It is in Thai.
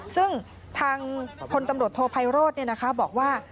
ซึ่งทางพลตำรวจโทรไพโรดเนี่ยนะคะบอกว่า